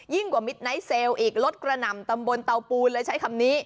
กว่ามิดไนทเซลล์อีกรถกระหน่ำตำบลเตาปูนเลยใช้คำนี้